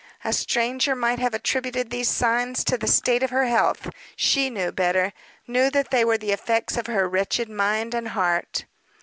A stranger might have attributed these signs to the state of her health; she knew better knew that they were the effects of her wretched mind and heart.